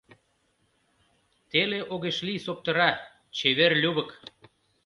Теле огеш лий соптыра, чевер-лювык: